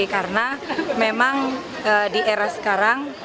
karena memang di era sekarang